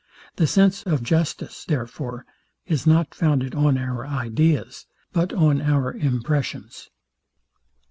The sense of justice, therefore, is not founded on our ideas, but on our impressions.